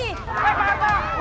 eh pak arta